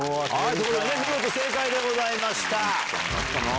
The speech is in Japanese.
見事正解でございました。